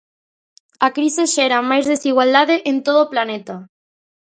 A crise xera máis desigualdade en todo o planeta.